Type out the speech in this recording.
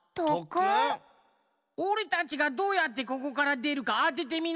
おれたちがどうやってここからでるかあててみな！